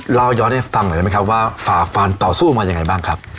เราย้อนให้ฟังหน่อยได้ไหมครับว่าฝ่าฟันต่อสู้มายังไงบ้างครับ